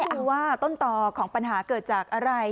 คือว่าต้นต่อของปัญหาเกิดจากอะไร